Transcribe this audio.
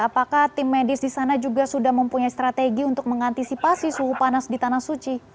apakah tim medis di sana juga sudah mempunyai strategi untuk mengantisipasi suhu panas di tanah suci